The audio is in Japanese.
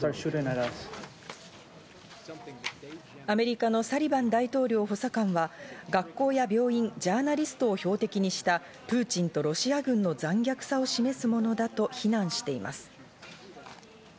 アメリカのサリバン大統領補佐官は学校や病院、ジャーナリストを標的にしたプーチンとロシア軍の残虐さを示すものだと非難しています。